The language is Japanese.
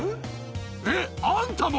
えっあんたも！